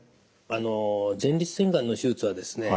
あの前立腺がんの手術はですね